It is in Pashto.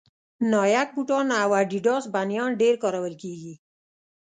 نایک بوټان او اډیډاس بنېن ډېر کارول کېږي